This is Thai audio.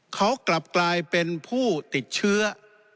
เขากลับกลายเป็นผู้ติดเชื้อ